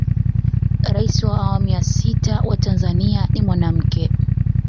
rais wa awamu ya sita wa tanzania ni mwanamke